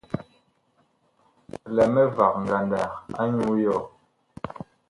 Mi lɛ mivag ngandag anyuu yɔɔ.